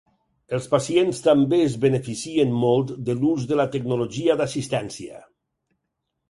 Els pacients també es beneficien molt de l'ús de la tecnologia d'assistència.